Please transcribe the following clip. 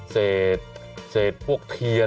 เศรษฐ์พวกเทียญ